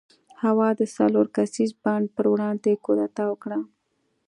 هوا د څلور کسیز بانډ پر وړاندې کودتا وکړه.